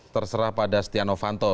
terserah pada setia novanto